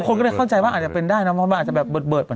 คนก็จะเข้าใจว่าอาจจะเป็นได้มันอาจจะเบิดเปิดเหมือนกัน